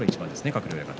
鶴竜親方。